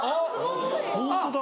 ホントだ。